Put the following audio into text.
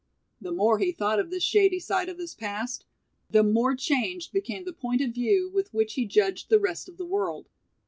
The more he thought of this shady side of his past, the more changed became the point of view with which he judged the rest of the world.